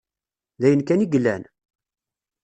D ayen kan i yellan?